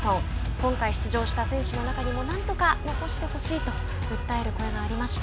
今回、出場した選手の中にもなんとか残してほしいと訴える声がありました。